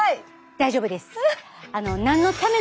大丈夫です。